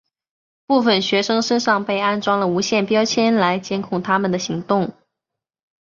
部分学生身上被安装了无线标签来监控他们的行动。